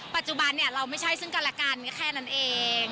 ปัจจุบันเนี่ยเราไม่ใช่ซึ่งกันและกันแค่นั้นเอง